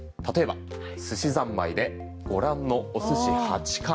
例えば、すしざんまいでご覧のお寿司８貫。